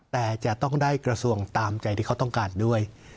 แต่จะต้องได้กระทรวงตามใจที่เขาต้องการด้วย